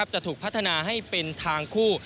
จะถูกพัฒนาให้เป็นทางคู่